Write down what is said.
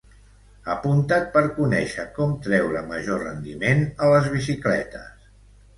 Apunta't per conèixer com treure major rendiment a les bicicletes.